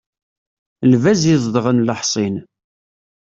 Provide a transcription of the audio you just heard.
Lbaz izedɣen leḥṣin.